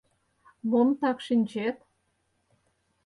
Мом так шинчет?